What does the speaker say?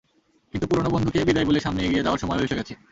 কিন্তু পুরোনো বন্ধুকে বিদায় বলে সামনে এগিয়ে যাওয়ার সময়ও এসে গেছে।